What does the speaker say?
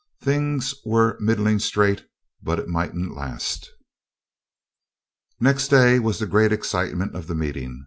Things were middling straight, but it mightn't last. Next day was the great excitement of the meeting.